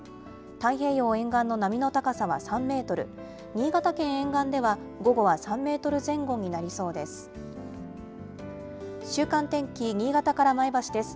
太平洋沿岸の波の高さは３メートル、新潟県沿岸では、午後は３メートル前後になりそうです。